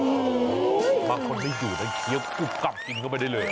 โอ้โหบางคนไม่อยู่นะเคี้ยวกรุบกลับกินเข้าไปได้เลย